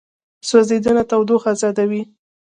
سوځېدنه تودوخه ازادوي.